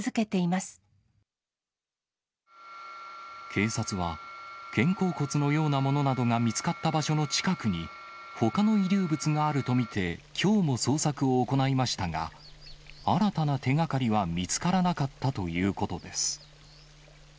警察は、肩甲骨のようなものなどが見つかった場所の近くに、ほかの遺留物があると見て、きょうも捜索を行いましたが、新たな手がかりは見つからなかったということです。